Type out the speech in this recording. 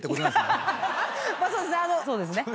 まあそうですね。